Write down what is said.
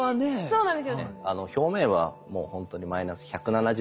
そうなんですよ。